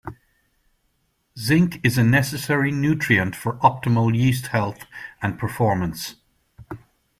Zinc is a necessary nutrient for optimal yeast health and performance.